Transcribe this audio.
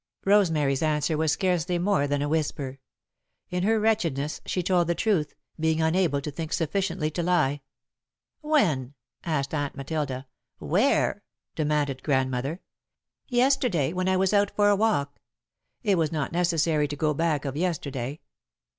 Rosemary's answer was scarcely more than a whisper. In her wretchedness, she told the truth, being unable to think sufficiently to lie. "When?" asked Aunt Matilda. "Where?" demanded Grandmother. "Yesterday, when I was out for a walk." It was not necessary to go back of yesterday.